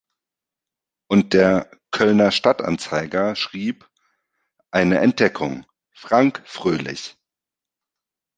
Und der "Kölner Stadtanzeiger" schrieb: „Eine Entdeckung: Frank Fröhlich.